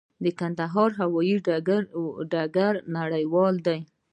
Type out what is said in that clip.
د کندهار هوايي ډګر نړیوال دی؟